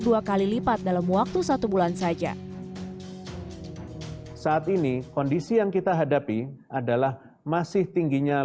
dua kali lipat dalam waktu satu bulan saja saat ini kondisi yang kita hadapi adalah masih tingginya